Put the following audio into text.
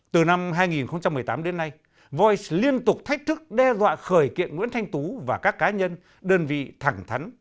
từ năm hai nghìn một mươi tám đến nay voice liên tục thách thức đe dọa khởi kiện nguyễn thanh tú và các cá nhân đơn vị thẳng thắn